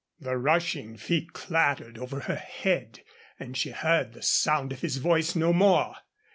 The rushing feet clattered over her head and she heard the sound of his voice no more.